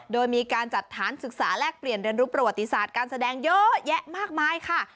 โดยมีการจัดฐานศึกษาแลกเปลี่ยนเรียนรู้ประวัติศาสตร์การแสดงเยอะแยะมากมายค่ะ